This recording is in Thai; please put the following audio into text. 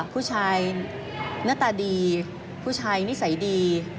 ผู้ชายหน้าตาดีผู้ชายนิสัยดี